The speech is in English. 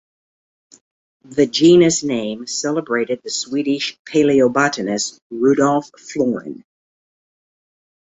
The genus name celebrated the Swedish paleobotanist Rudolf Florin.